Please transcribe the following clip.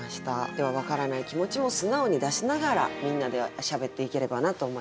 では分からない気持ちも素直に出しながらみんなでしゃべっていければなと思います。